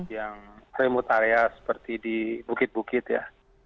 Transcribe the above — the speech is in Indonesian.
yang remote area seperti di bukit bukit ya